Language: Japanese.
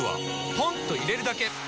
ポンと入れるだけ！